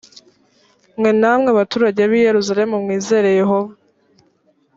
mwe namwe baturage b’i yerusalemu mwizere yehova